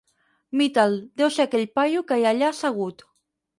Mi-te'l, deu ser aquell paio que hi ha allà assegut.